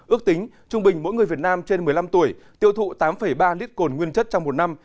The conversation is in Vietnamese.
ước tính trung bình mỗi người việt nam trên một mươi năm tuổi tiêu thụ tám ba lít cồn nguyên chất trong một năm